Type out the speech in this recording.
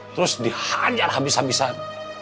terus dihajar habis habisan